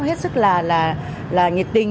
hết sức là nhiệt tình